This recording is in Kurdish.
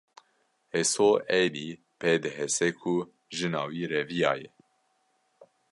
Heso êdî pê dihese ku jina wî reviyaye